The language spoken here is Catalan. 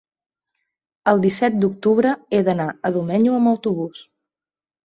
El disset d'octubre he d'anar a Domenyo amb autobús.